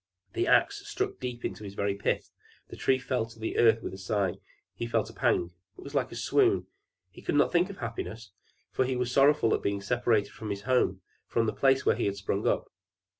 The axe struck deep into the very pith; the Tree fell to the earth with a sigh; he felt a pang it was like a swoon; he could not think of happiness, for he was sorrowful at being separated from his home, from the place where he had sprung up.